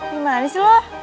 gimana sih lu